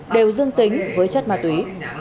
đều dương tính với chất ma túy